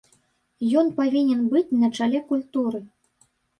Ён павінен быць на чале культуры.